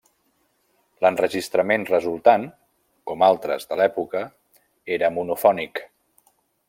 L'enregistrament resultant, com altres de l'època, era monofònic.